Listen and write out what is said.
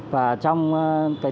và trong cái thời hạn này